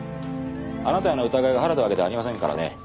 あなたへの疑いが晴れたわけではありませんからね。